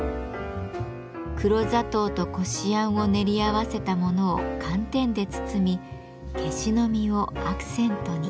黒砂糖とこしあんを練り合わせたものを寒天で包みケシの実をアクセントに。